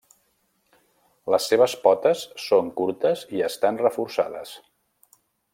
Les seves potes són curtes i estan reforçades.